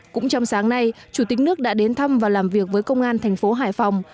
cũng trong sáng nay chủ tịch nước đã đến thăm và làm việc với công an thành phố hải phòng